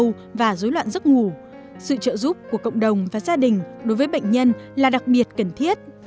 rối loạn lo âu và rối loạn giấc ngủ sự trợ giúp của cộng đồng và gia đình đối với bệnh nhân là đặc biệt cần thiết